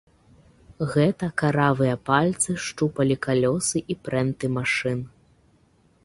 Гэта каравыя пальцы шчупалі калёсы і прэнты машын.